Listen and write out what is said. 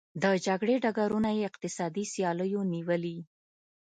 د جګړې ډګرونه یې اقتصادي سیالیو نیولي.